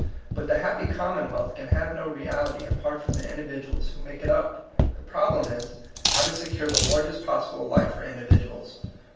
But the happy commonwealth can have no reality apart from the individuals who make it up. The problem is, how to secure the largest possible life for individuals.